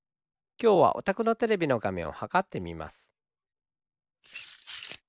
きょうはおたくのテレビのがめんをはかってみます。